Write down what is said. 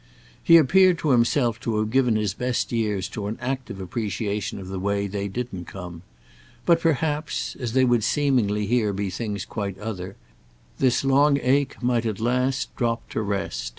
He appeared to himself to have given his best years to an active appreciation of the way they didn't come; but perhaps—as they would seemingly here be things quite other—this long ache might at last drop to rest.